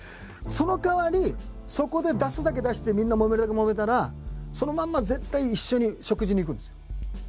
そのかわりそこで出すだけ出してみんなもめるだけもめたらそのまんま絶対一緒に食事に行くんですよ。